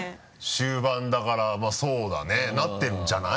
終盤だからまぁそうだねなってるんじゃない？